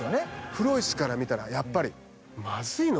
フロイスから見たらやっぱりまずいのかな？と。